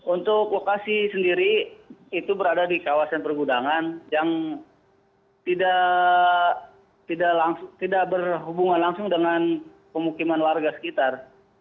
untuk lokasi sendiri itu berada di kawasan pergudangan yang tidak berhubungan langsung dengan pemukiman warga sekitar